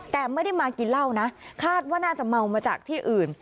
แต่ไม่ได้มากินเหล้านะคาดว่าน่าจะเมามาจากที่อื่น